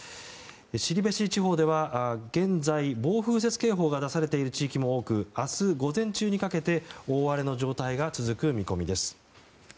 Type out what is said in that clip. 後志地方では現在、暴風雪警報が出されている地域も多く明日午前中にかけて大荒れの状態が続く見込みです。